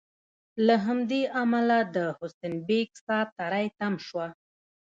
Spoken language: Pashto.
له همدې امله د حسین بېګ سا تری تم شوه.